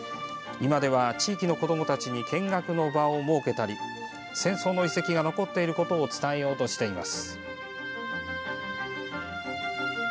今では地域の子どもたちに見学の場を設けたり戦争の遺跡が残っていることを伝えようとしています。